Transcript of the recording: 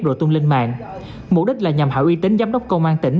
rồi tung lên mạng mục đích là nhằm hạ uy tín giám đốc công an tỉnh